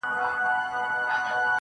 زما په زړه باندې لمبه راځي او ټکه راځي~